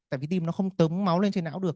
tại vì tim nó không tống máu lên trên não được